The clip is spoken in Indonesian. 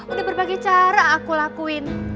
udah berbagai cara aku lakuin